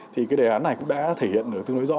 thì cái đề án này cũng đã thể hiện được tương đối rõ